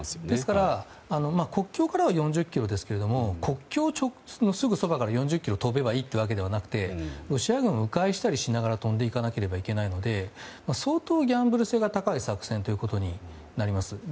ですから、国境からは４０ｋｍですけれども国境のすぐそばから４０ｋｍ飛んでいけばいいというわけではなくてロシア軍は迂回したりしながら飛んでいかなければいけないので相当ギャンブル性が高い作戦となります。